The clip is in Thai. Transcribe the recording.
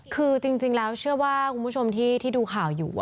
คือจริงแล้วเชื่อว่าคุณผู้ชมที่ดูข่าวอยู่